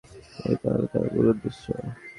এই তাহলে তার মূল উদ্দেশ্য!